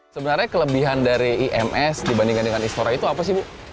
sebenarnya kelebihan dari ims dibandingkan dengan istora itu apa sih bu